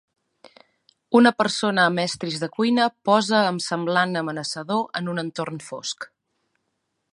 Una persona amb estris de cuina posa amb semblant amenaçador en un entorn fosc.